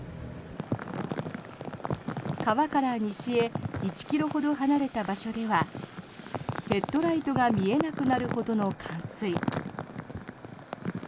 川から西へ１ｋｍほど離れた場所ではヘッドライトが見えなくなるほどの冠水。